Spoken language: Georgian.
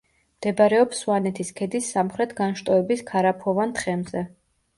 მდებარეობს სვანეთის ქედის სამხრეთ განშტოების ქარაფოვან თხემზე.